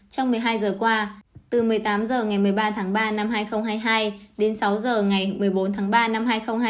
trong một mươi hai giờ qua từ một mươi tám h ngày một mươi ba tháng ba năm hai nghìn hai mươi hai đến sáu h ngày một mươi bốn tháng ba năm hai nghìn hai mươi